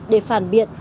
để phản biệt